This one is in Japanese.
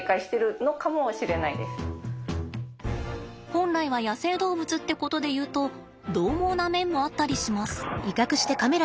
本来は野生動物ってことでいうと獰猛な面もあったりします。